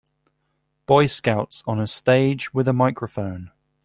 boy scouts on a stage with a microphone